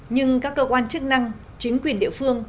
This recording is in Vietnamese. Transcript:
nhưng các cơ quan chức năng chính quyền địa phương